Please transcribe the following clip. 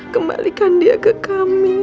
kembalikan dia ke kami